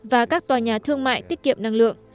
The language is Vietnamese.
và các tòa nhà thương mại tiết kiệm năng lượng